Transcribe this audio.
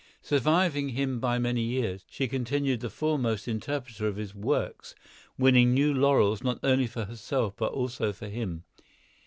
Surviving him many years, she continued the foremost interpreter of his works, winning new laurels not only for herself but also for him.